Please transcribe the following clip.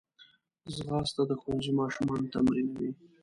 ځغاسته د ښوونځي ماشومان تمرینوي